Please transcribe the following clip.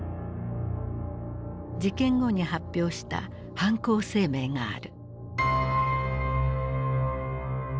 事件後に発表した「犯行声明」がある。